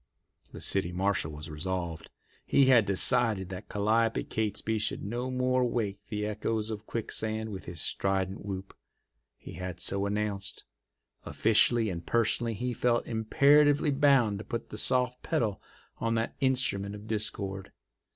The city marshal was resolved. He had decided that Calliope Catesby should no more wake the echoes of Quicksand with his strident whoop. He had so announced. Officially and personally he felt imperatively bound to put the soft pedal on that instrument of discord.